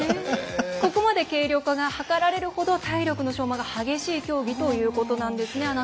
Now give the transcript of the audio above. ここまで軽量化が図られるほど体力の消耗が激しい競技ということなんですね。